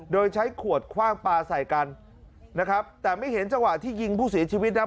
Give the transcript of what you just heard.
โดยใช้ขวดคว่างปลาใส่กันนะครับแต่ไม่เห็นจังหวะที่ยิงผู้เสียชีวิตนะ